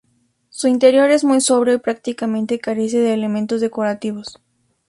Su interior es muy sobrio y prácticamente carece de elementos decorativos.